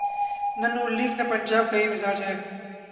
نہ ن لیگ‘ نہ پنجاب کا یہ مزاج ہے۔